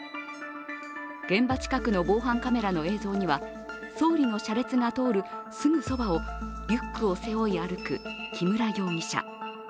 現場近くの防犯カメラの映像には総理の車列が通るすぐそばをリュックを背負い歩く木村容疑者。